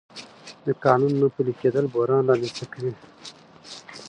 د قانون نه پلي کېدل بحران رامنځته کوي